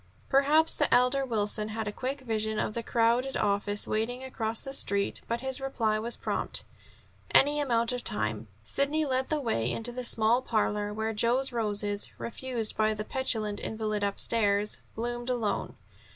Perhaps the elder Wilson had a quick vision of the crowded office waiting across the Street; but his reply was prompt: "Any amount of time." Sidney led the way into the small parlor, where Joe's roses, refused by the petulant invalid upstairs, bloomed alone.